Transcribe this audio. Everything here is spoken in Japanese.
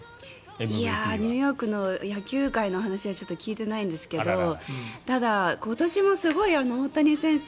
ニューヨークの野球界の話はちょっと聞いてないんですけどただ、今年もすごい大谷選手